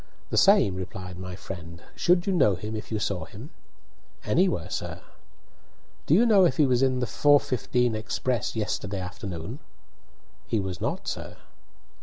"The same," replied my friend. "Should you know him if you saw him?" "Anywhere, sir." "Do you know if he was in the 4:15 express yesterday afternoon?" "He was not, sir."